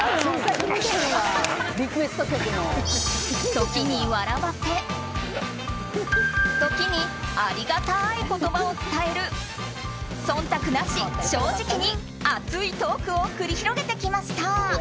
時に笑わせ時にありがたい言葉を伝える忖度なし、正直に熱いトークを繰り広げてきました。